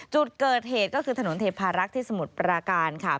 จุดเกิดเหตุก็คือถนนเทพารักษ์ที่สมุทรปราการค่ะ